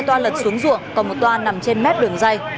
toa lật xuống ruộng còn một toa nằm trên mét đường dây